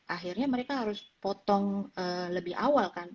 akhirnya mereka harus potong lebih awal kan